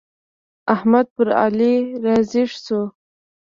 احمد پر علي را ږيز شو.